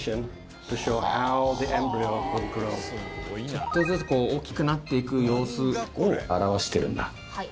ちょっとずつ大っきくなって行く様子を表してるんだ。